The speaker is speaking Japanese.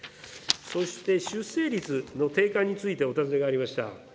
そして、出生率の低下についてお尋ねがありました。